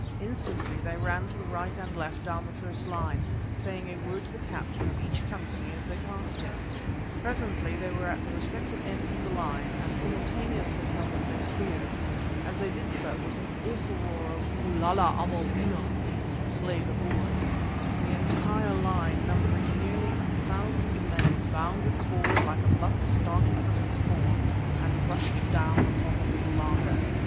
Instantly they ran to the right and left down the first line, saying a word to the captain of each company as they passed him. Presently they were at the respective ends of the line, and simultaneously held up their spears. As they did so, with an awful roar of "Bulala Amaboona"—"Slay the Boers," the entire line, numbering nearly a thousand men, bounded forward like a buck startled from its form, and rushed down upon the little laager.